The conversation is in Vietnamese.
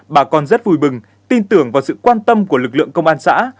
bà con rất vui mừng tin tưởng vào sự quan tâm của lực lượng công an xã